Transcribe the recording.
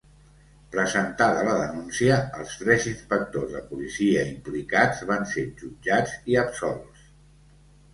Presentada la denúncia, els tres inspectors de policia implicats van ser jutjats i absolts.